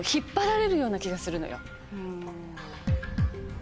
うん。